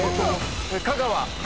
香川。